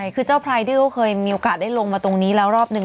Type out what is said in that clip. คือเจ้าไพรที่เขาเคยมีโอกาสได้ลงมาตรงนี้แล้วรอบหนึ่ง